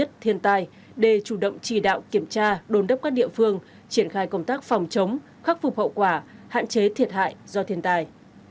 thiên tài để chủ động trì đạo kiểm tra đồn đắp các địa phương triển khai công tác phòng chống khắc phục hậu quả hạn chế thiệt hại do thiên tài